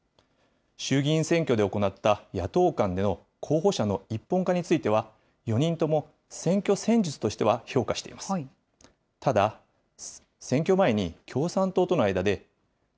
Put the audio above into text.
衆議院選挙で行った野党間での候補者の一本化については、４人とも、選挙戦術としては評価しています。